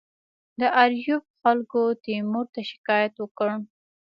د آریوب خلکو تیمور ته شکایت وکړ.